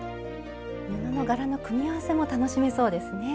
布の柄の組み合わせも楽しめそうですね。